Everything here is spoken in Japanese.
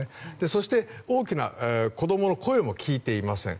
そして、大きな子供の声も聞いていません。